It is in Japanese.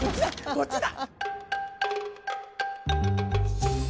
こっちだ！